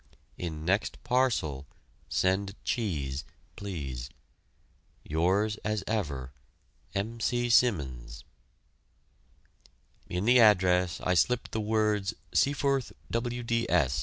In next parcel, send cheese, please. Yours as ever M. C. SIMMONS In the address I slipped in the words "Seaforth Wds."